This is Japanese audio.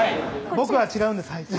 僕は違うんです